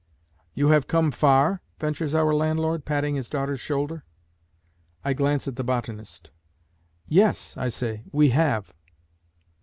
"You have come far?" ventures our landlord, patting his daughter's shoulder. I glance at the botanist. "Yes," I say, "we have."